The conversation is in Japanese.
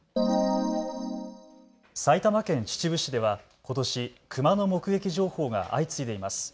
埼玉県秩父市ではことしクマの目撃情報が相次いでいます。